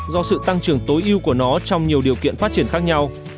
do sự tăng trưởng tối ưu của nó trong nhiều điều kiện phát triển khác nhau